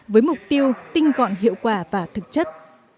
với mục tiêu tinh gọn hiệu quả và thực chất